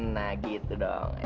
nah gitu dong